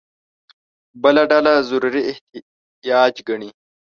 بله ډله ضروري احتیاج ګڼي.